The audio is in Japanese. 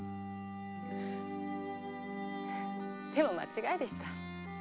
でも間違いでした。